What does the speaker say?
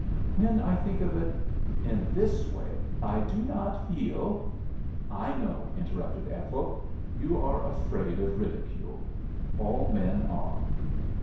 When I think of it in this way, I do not feel '" "I know,' interrupted Ethel, 'you are afraid of ridicule. All men are.